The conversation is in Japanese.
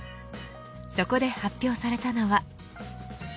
そこで発表されたのは。